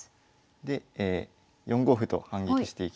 で４五歩と反撃していきますね。